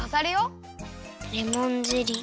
レモンゼリー。